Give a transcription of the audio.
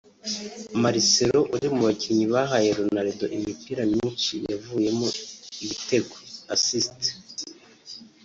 Marcelo uri mu bakinnyi bahaye Ronaldo imipira myinshi yavuyemo ibitego (assists)